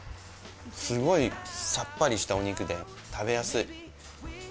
すごいさっぱりしたお肉で食べやすい。